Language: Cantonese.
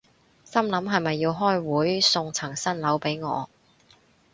心諗係咪要開會送層新樓畀我